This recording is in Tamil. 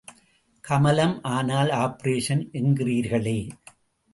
கமலம் ஆனால் ஆப்பரேஷன் என்கிறீர்களே?